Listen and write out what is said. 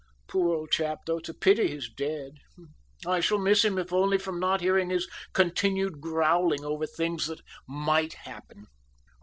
Poor old chap, though, it's a pity he's dead; I shall miss him if only from not hearing his continued growling over things that might happen."